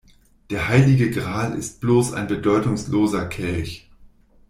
Der heilige Gral ist bloß ein bedeutungsloser Kelch.